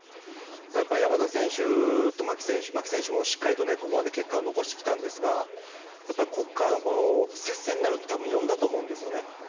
やっぱり山田選手と牧選手牧選手もしっかりとここまで結果を残してきたんですがここから、接戦になると多分読んだと思うんですね。